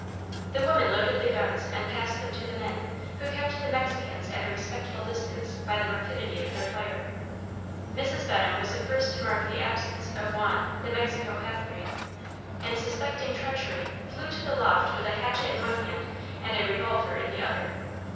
The women loaded the guns and passed them to the men, who kept the Mexicans at a respectful distance by the rapidity of their fire. Mrs. Benham was the first to mark the absence of Juan the Mexican half breed, and, suspecting treachery, flew to the loft with a hatchet in one hand and a revolver in the other.